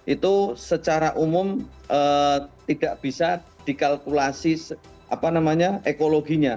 itu secara umum tidak bisa dikalkulasi ekologinya